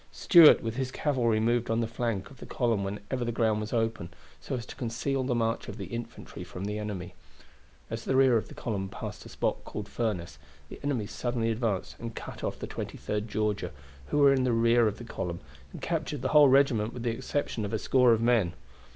Stuart with his cavalry moved on the flank of the column whenever the ground was open, so as to conceal the march of the infantry from the enemy. As the rear of the column passed a spot called the Furnace, the enemy suddenly advanced and cut off the 23d Georgia, who were in the rear of the column, and captured the whole regiment with the exception of a score of men.